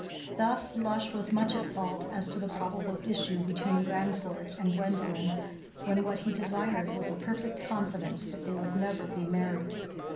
Thus Lush was much at fault as to the probable issue between Grandcourt and Gwendolen, when what he desired was a perfect confidence that they would never be married.